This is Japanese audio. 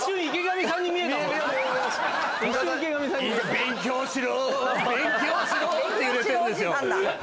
勉強しろ勉強しろって揺れてるんですよ。